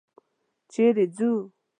چېرې ځو؟